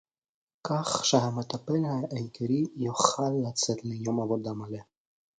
כך שהמטפל העיקרי יוכל לצאת ליום עבודה מלא